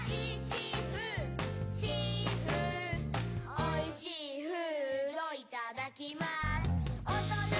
「おいしーフードいただきます」